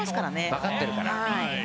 わかっているから。